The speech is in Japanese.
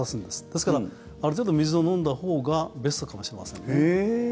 ですからある程度、水を飲んだほうがベストかもしれませんね。